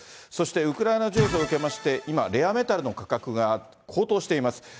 そしてウクライナ情勢を受けまして、今、レアメタルの価格が高騰しています。